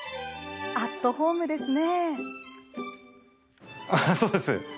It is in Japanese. アットホームですね。